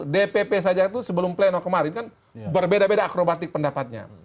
dpp saja itu sebelum pleno kemarin kan berbeda beda akrobatik pendapatnya